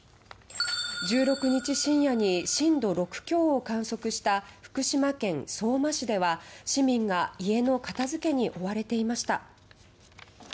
１６日深夜に震度６強を観測した福島県相馬市では市民が家の片付けに追われていました。